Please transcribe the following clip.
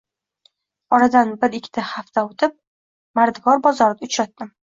Oradan bir-ikki hapta o‘tib mardikor bozorida uchratdim